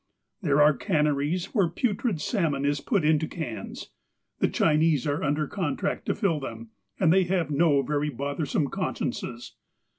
There are canneries where putrid salmon is put into cans. The Chinese are under contract to fill them, and they have no very bothersome consciences.